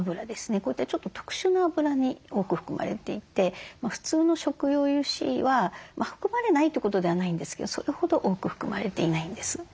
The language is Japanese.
こういったちょっと特殊なあぶらに多く含まれていて普通の食用油脂は含まれないってことではないんですけどそれほど多く含まれていないんです。